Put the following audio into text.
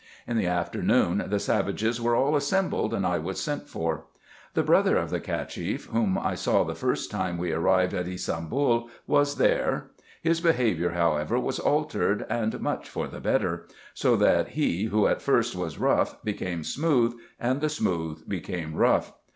In the afternoon the savages were all assembled, and I was sent for. The brother of the Cacheff, whom I saw the first time we arrived at Ybsambul, was there : his behaviour however was altered, and much for the better ; so that he, who at first was rough, became smooth, and the smooth became rough.